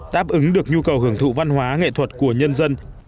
đáp ứng được nhu cầu hưởng thụ văn hóa nghệ thuật của nhân dân